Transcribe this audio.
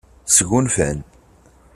Sgunfan.